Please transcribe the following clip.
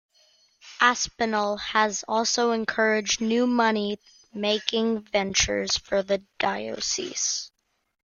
Aspinall has also encouraged new money-making ventures for the diocese.